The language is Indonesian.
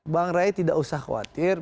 bang rai tidak usah khawatir